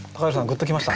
グッときました？